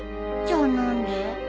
じゃあ何で？